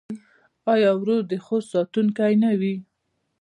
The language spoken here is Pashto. آیا ورور د خور ساتونکی نه وي؟